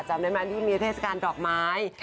จากแม่งที่มีอเทศกาลดรอกไม้